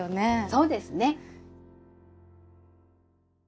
そうですね。